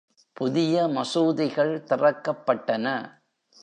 புதிய மசூதிகள் திறக்கப்பட்டன.